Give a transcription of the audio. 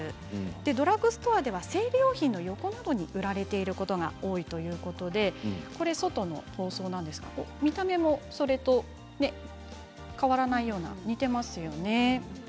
ドラッグストアでは生理用品の横などに売られていることが多いということで外の包装なんですが、見た目も変わらないような似ていますよね。